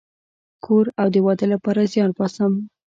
د کور او د واده لپاره زیار باسم